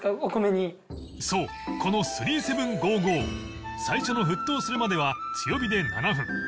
そうこの７７７５５最初の沸騰するまでは強火で７分